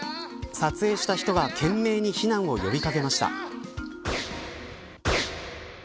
撮影した人は懸命に避難を呼び掛けました。